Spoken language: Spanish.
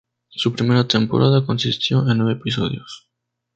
Su primera temporada consistió en nueve episodios.